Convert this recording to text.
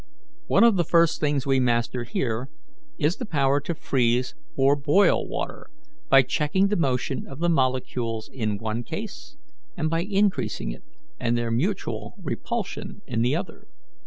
One of the first things we master here is the power to freeze or boil water, by checking the motion of the molecules in one case, and by increasing it, and their mutual repulsion, in the other.